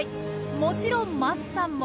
もちろん桝さんも。